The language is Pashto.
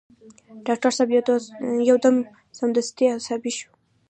ډاکټر صاحب يو دم او سمدستي عصبي شو.